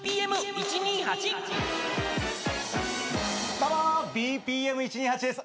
どうもＢＰＭ１２８です。